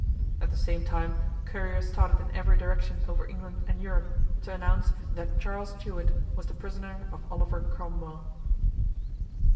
At the same time couriers started in every direction over England and Europe to announce that Charles Stuart was the prisoner of Oliver Cromwell.